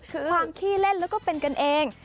คือความขี้เล่นแล้วก็เป็นกันเอง